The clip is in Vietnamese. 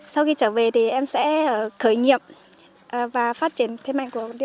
sau khi trở về thì em sẽ khởi nghiệm